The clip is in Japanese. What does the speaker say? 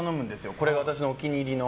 これ、私のお気に入りの。